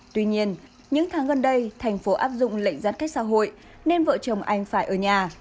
tuy nhiên những tháng gần đây thành phố áp dụng lệnh giãn cách xã hội nên vợ chồng anh phải ở nhà